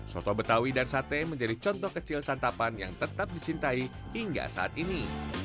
soto betawi dan sate menjadi contoh kecil santapan yang tetap dicintai hingga saat ini